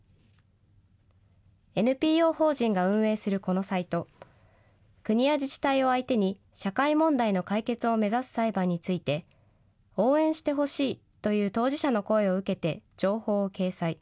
ＮＰＯ法人が運営するこのサイト、国や自治体を相手に社会問題の解決を目指す裁判について、応援してほしいという当事者の声を受けて情報を掲載。